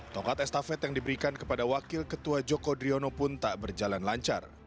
tongkat estafet yang diberikan kepada wakil ketua joko driono pun tak berjalan lancar